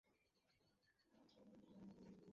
এই ঝাড়বাটির নীচে, তারা শান্তির মৃতদেহ পাবে।